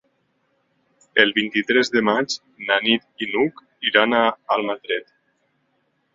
El vint-i-tres de maig na Nit i n'Hug iran a Almatret.